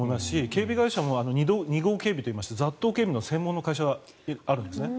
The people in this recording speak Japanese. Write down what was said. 警備会社も２号警備と言って雑踏警備の専門会社があるんですね。